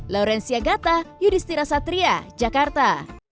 laurencia gata yudhistira satria jakarta